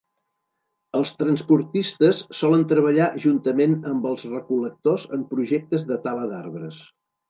Els transportistes solen treballar juntament amb els recol·lectors en projectes de tala d'arbres.